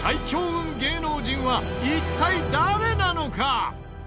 強運芸能人は一体誰なのか？